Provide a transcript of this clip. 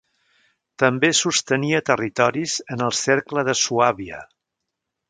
També sostenia territoris en el Cercle de Suàbia.